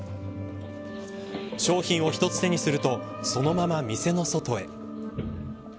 商品を１つ手にするとそのまま店の外へ。